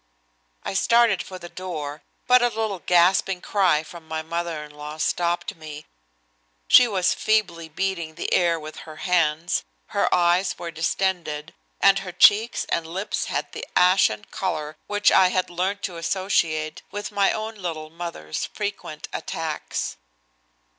I started for the door, but a little gasping cry from my mother in law stopped me. She was feebly beating the air with her hands, her eyes were distended, and her cheeks and lips had the ashen color which I had learned to associate with my own little mother's frequent attacks.